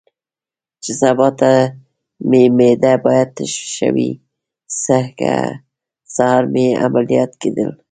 چې سبا ته مې معده باید تشه وي، ځکه سهار مې عملیات کېدل.